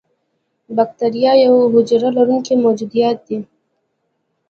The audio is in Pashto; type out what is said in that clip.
بکتیریا یوه حجره لرونکي موجودات دي.